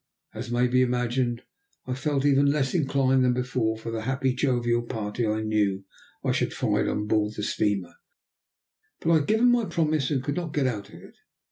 As may be imagined, I felt even less inclined than before for the happy, jovial party I knew I should find on board the steamer, but I had given my promise, and could not get out of it.